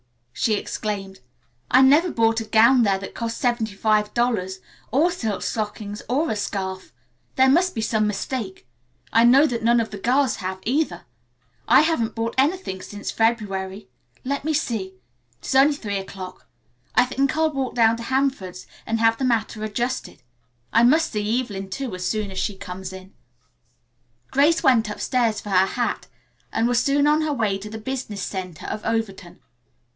she exclaimed. "I never bought a gown there that cost seventy five dollars, or silk stockings or a scarf. There must be some mistake. I know that none of the girls have either. I haven't bought anything since February. Let me see. It's only three o'clock. I think I'll walk down to Hanford's and have the matter adjusted. I must see Evelyn too, as soon as she comes in." Grace went upstairs for her hat and was soon on her way to the business center of Overton.